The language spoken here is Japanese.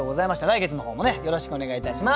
来月の方もねよろしくお願いいたします。